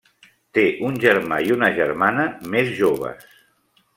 Té un germà i una germana més joves.